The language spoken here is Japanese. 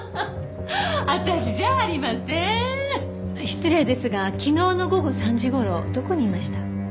失礼ですが昨日の午後３時頃どこにいました？